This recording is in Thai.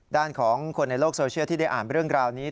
ด้านของคนในโลกโซเชียลที่ได้อ่านเรื่องราวนี้